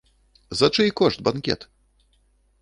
За чый кошт банкет?